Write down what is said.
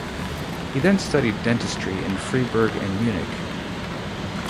He then studied dentistry in Freiburg and Munich.